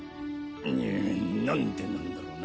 んなんでなんだろな？